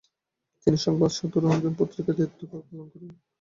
তিনি সংবাদ সাধুরঞ্জন পত্রিকার দায়িত্বভার পালন করেন।